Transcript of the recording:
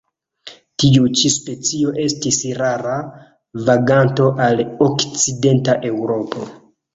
Tiu ĉi specio estis rara vaganto al okcidenta Eŭropo.